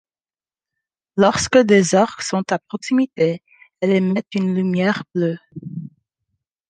Lorsque des Orques sont à proximité, elle émet une lumière bleue.